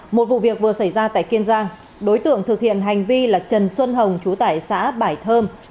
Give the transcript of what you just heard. một vụ việc vừa xảy ra tại kiên giang đối tượng thực hiện hành vi là trần xuân hồng chú tải xã bải thơm